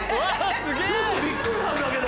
ちょっとびっくりなんだけど！